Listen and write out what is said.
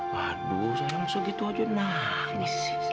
waduh saya gak usah gitu aja nangis